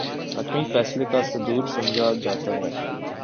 حتمی فیصلے کا صدور سمجھا جاتا ہے